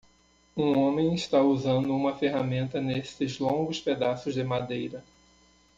Um homem está usando uma ferramenta nesses longos pedaços de madeira.